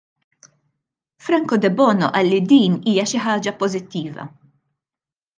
Franco Debono qal li din hija xi ħaġa pożittiva.